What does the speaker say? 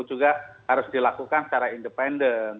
juga harus dilakukan secara independen